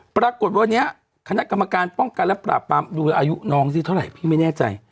ปรากฏวันนี้คณะกรรมการป้องกันและปราบปรามดูอายุน้องสิเท่าไหร่พี่ไม่แน่ใจ